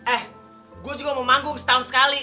eh gue juga mau manggung setahun sekali